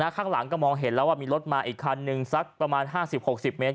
ข้างหลังก็มองเห็นแล้วว่ามีรถมาอีกคันนึงสักประมาณ๕๐๖๐เมตร